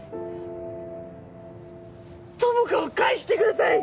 友果を返してください！